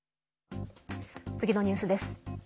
次のニュースです。